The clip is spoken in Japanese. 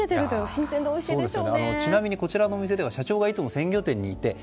新鮮でおいしいでしょうね。